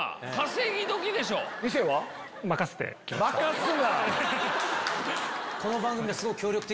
任すな！